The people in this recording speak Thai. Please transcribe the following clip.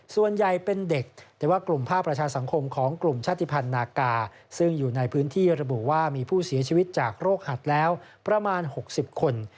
ส่วนใหญ่เป็นเด็กแต่ว่ากลุ่มภาคประชาสังคมของกลุ่มชาติภัณฑ์นากาซึ่งอยู่ในพื้นที่ระบุว่ามีผู้เสียชีวิตจากโรคหัดแล้วประมาณ๖๐คน